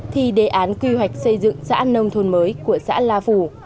thì đề án quy hoạch xây dựng xã nông thôn mới của xã la phù